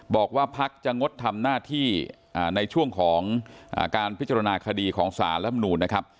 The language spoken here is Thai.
บอกว่าพักจะงดทำหน้าที่ในช่วงของการพิจารณาคดีของสารรัฐมนูนนะครับ